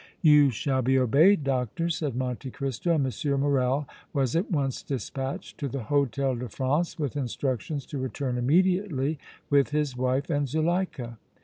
"You shall be obeyed, Doctor," said Monte Cristo, and M. Morrel was at once dispatched to the Hôtel de France with instructions to return immediately with his wife and Zuleika.